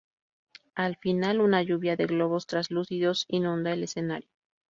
Al final, una lluvia de globos translúcidos inunda el escenario.